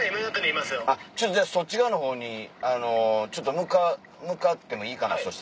じゃあそっち側のほうに向かってもいいかなそしたら。